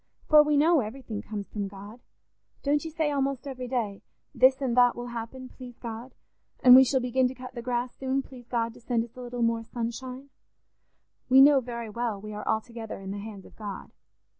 For we know everything comes from God: don't you say almost every day, 'This and that will happen, please God,' and 'We shall begin to cut the grass soon, please God to send us a little more sunshine'? We know very well we are altogether in the hands of God.